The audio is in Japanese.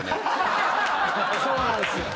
そうなんすよ。